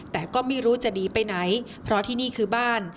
แต่ก็ไม่รู้จะหนีไปไหนเพราะที่นี่คือบ้าน